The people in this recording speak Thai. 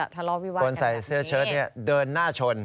คนใส่เสื้อเชิทเดินหน้าชน